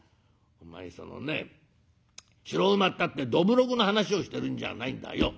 「お前そのね白馬ったってどぶろくの話をしてるんじゃないんだよ。